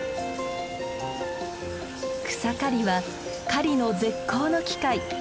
草刈りは狩りの絶好の機会。